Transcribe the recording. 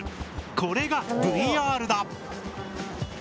これがＶＲだ！